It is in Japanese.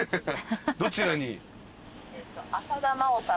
どちらに？